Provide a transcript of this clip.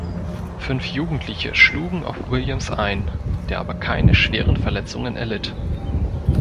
Fünf Jugendliche schlugen auf Williams ein, der aber keine schweren Verletzungen erlitt.